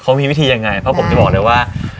เขามีวิธียังไงเพราะผมจะบอกเลยว่า